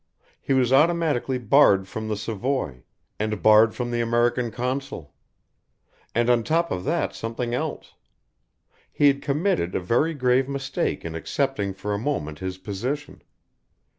He was automatically barred from the Savoy, and barred from the American Consul. And on top of that something else. He had committed a very grave mistake in accepting for a moment his position.